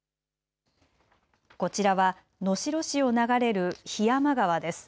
こちらは能代市を流れる檜山川です。